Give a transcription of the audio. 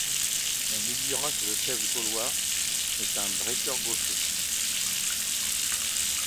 On déduira que le chef gaulois est un bretteur gaucher.